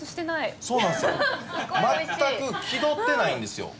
全く気取ってないんですよ。